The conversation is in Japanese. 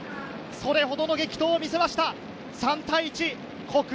それほどの激闘を見せました。